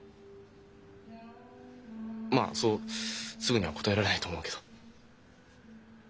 まあそうすぐには答えられないと思うけど。